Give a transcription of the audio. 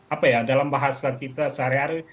apa ya dalam bahasa kita sehari hari